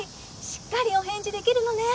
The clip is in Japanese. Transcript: しっかりお返事できるのね。